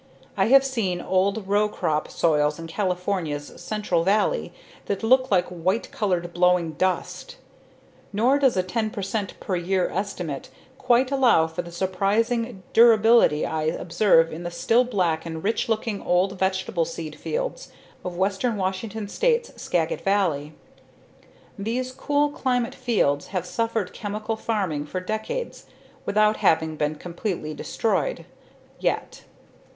I have seen old row crop soils in California's central valley that look like white colored blowing dust. Nor does a 10 percent per year estimate quite allow for the surprising durability I observe in the still black and rich looking old vegetable seed fields of western Washington State's Skaget Valley. These cool climate fields have suffered chemical farming for decades without having been completely destroyed yet.